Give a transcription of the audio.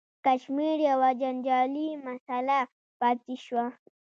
کشمیر یوه جنجالي مسله پاتې شوه.